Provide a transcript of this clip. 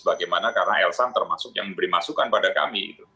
bagaimana karena elsam termasuk yang memberi masukan pada kami